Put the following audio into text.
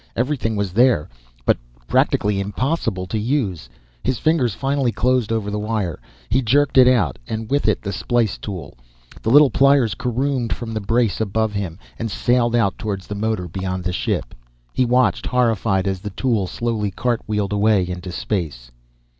Everything was there, but practically impossible to use. His fingers finally closed over the wire; he jerked it out and with it the splice tool. The little pliers caromed from the brace above him and sailed out toward the motor, beyond the ship. He watched, horrified, as the tool slowly cartwheeled away into space.